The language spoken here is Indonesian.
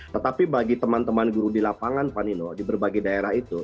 tetapi bagi teman teman guru di lapangan vanino di berbagai daerah itu